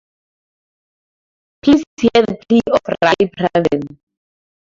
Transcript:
Please hear the plea of Rai Praveen.